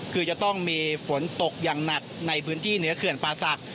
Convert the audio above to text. คือจะต้องมีฝนตกอย่างหนักในพื้นที่เหนือเขื่อนป่าศักดิ